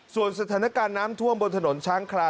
ส่วนสถานการณ์น้ำท่วมบนถนนช้างคลา